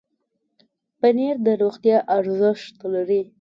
پنېر د روغتیا ارزښت لري.